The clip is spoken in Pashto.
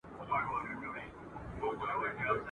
د انسان پیدایښت د الله تعالی له ستروحکمتونو څخه دئ.